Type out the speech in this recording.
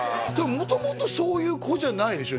元々そういう子じゃないでしょ？